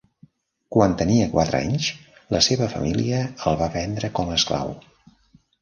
Quan tenia quatre anys, la seva família el va vendre com a esclau.